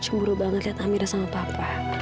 semuruh banget liat amira sama papa